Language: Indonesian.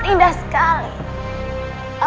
tepat sekali pasang bebas